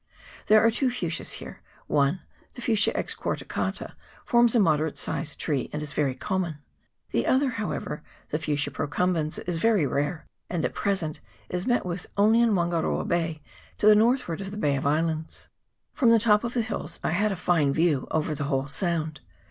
There are two fuchsias here : one, the Fuchsia excorticata, forms a moderate sized tree, and is very common ; the other, however, the Fuch sia procumbens, is very rare, and at present is met with only in Wangaroa Bay, to the northward of the Bay of Islands. From the top of the hills I had a fine view over the whole sound.